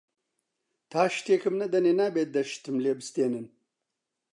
تا شتێکم نەدەنێ نابێ دە شتم لێ بستێنن